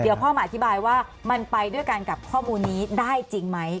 เดี๋ยวพ่อมาอธิบายว่ามันไปด้วยกันกับข้อมูลนี้ได้จริงไหม